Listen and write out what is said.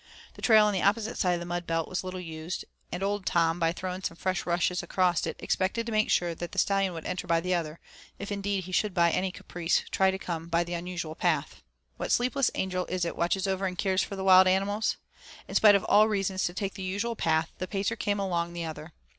The trail on the opposite side of the mud belt was little used, and old Tom, by throwing some fresh rushes across it, expected to make sure that the Stallion would enter by the other, if indeed he should by any caprice try to come by the unusual path. What sleepless angel is it watches over and cares for the wild animals? In spite of all reasons to take the usual path, the Pacer came along the other.